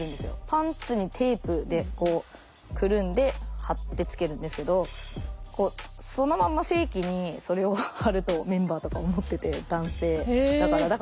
パンツにテープでこうくるんで貼ってつけるんですけどそのまんま性器にそれを貼るとメンバーとか思ってて男性。